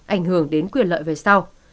ảnh hưởng đến quyền lợi về sau